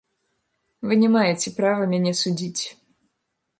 Вы не маеце права мяне судзіць.